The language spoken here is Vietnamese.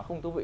không thú vị